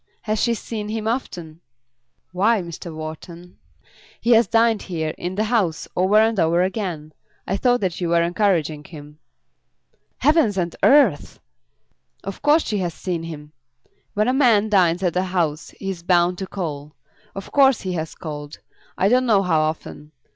Has she seen him often?" "Why, Mr. Wharton, he has dined here, in the house, over and over again. I thought that you were encouraging him." "Heavens and earth!" "Of course she has seen him. When a man dines at a house he is bound to call. Of course he has called, I don't know how often.